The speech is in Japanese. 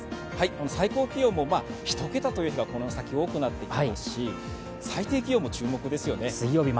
最高気温も１桁という日がこの先多くなってきますし、最低気温も注目ですよね。